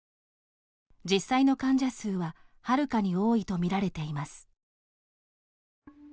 実際の患者数は、はるかに多いとみられています。